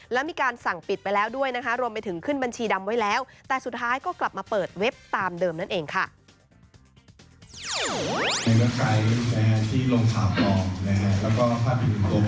แล้วก็ทางน้องผู้สีชีวิตด้วยนะครับ